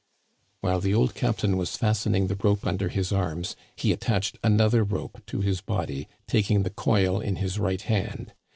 While the old captain was fastening the rope under his arms, he attached another rope to his body, taking the coil in his right hand.